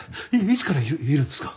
いつからいるんですか？